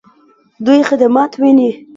دوی خدمات ویني؟